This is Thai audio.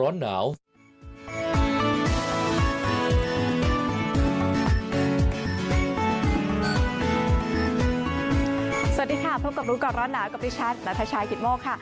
สวัสดีค่ะพบกับรู้ก่อนร้อนหนาวกับดิฉันนัทชายกิตโมกค่ะ